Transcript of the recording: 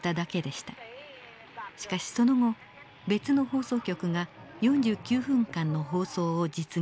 しかしその後別の放送局が４９分間の放送を実現。